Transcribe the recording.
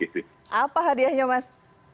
apa hadiahnya mas